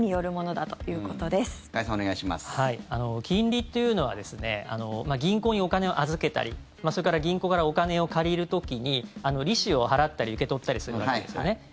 金利というのは銀行にお金を預けたりそれから銀行からお金を借りる時に利子を払ったり受け取ったりするわけですよね。